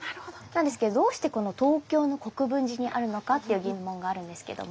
なんですけどどうしてこの東京の国分寺にあるのかっていう疑問があるんですけども。